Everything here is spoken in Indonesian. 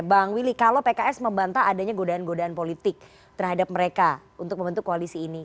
bang willy kalau pks membantah adanya godaan godaan politik terhadap mereka untuk membentuk koalisi ini